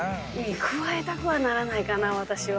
くわえたくはならないかな私は。